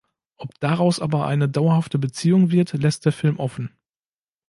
Ob daraus aber eine dauerhafte Beziehung wird, lässt der Film offen.